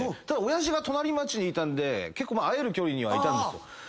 ただ親父が隣町にいたんで結構会える距離にはいたんです。